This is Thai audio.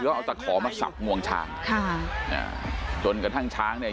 แล้วเอาตะขอมาสับงวงช้างค่ะอ่าจนกระทั่งช้างเนี่ย